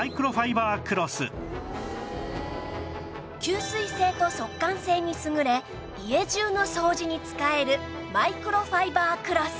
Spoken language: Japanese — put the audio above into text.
吸水性と速乾性に優れ家じゅうの掃除に使えるマイクロファイバークロス